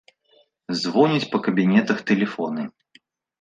Звоняць па кабінетах тэлефоны.